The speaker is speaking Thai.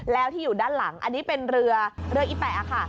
แล้วที่อยู่ด้านหลังอันนี้เป็นเรือเรืออีแปะค่ะ